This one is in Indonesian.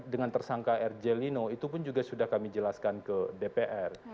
dengan tersangka r jelino itu pun juga sudah kami jelaskan ke dpr